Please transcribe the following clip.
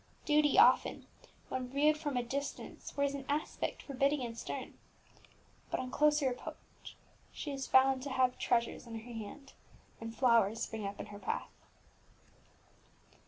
Duty often, when viewed from a distance, wears an aspect forbidding and stern; but on closer approach she is found to have treasures in her hand, and flowers spring up in her path.